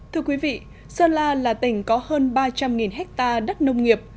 thưa quý vị sơn la là tỉnh có hơn ba trăm linh hectare đất nông nghiệp